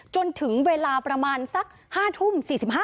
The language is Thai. จนถึงเวลาประมาณสัก๕ทุ่ม๔๕